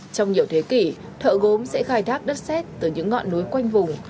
trong nhiều thế kỷ thợ gốm sẽ khai thác đất xét từ những ngọn núi quanh vùng